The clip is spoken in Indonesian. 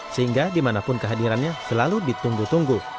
sehingga dimanapun kehadirannya selalu ditunggu tunggu